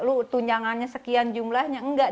lu tunjangannya sekian jumlahnya enggak